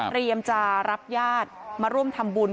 เตรียมจะรับญาติมาร่วมทำบุญ